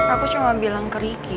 aku cuma bilang ke ricky